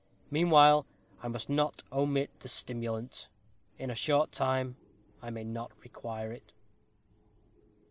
Meanwhile, I must not omit the stimulant. In a short time I may not require it."